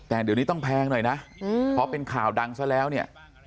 แต่เดี๋ยวนี้ต้องแพงหน่อยนะพอเป็นข่าวดังซะแล้วเนี่ย